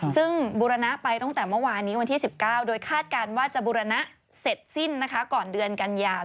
ซึ่งบูรณะไปตั้งแต่เมื่อวานนี้วันที่๑๙โดยคาดการณ์ว่าจะบุรณะเสร็จสิ้นนะคะก่อนเดือนกันยา